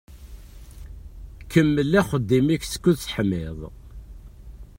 Kemmel axeddim-ik skud teḥmiḍ.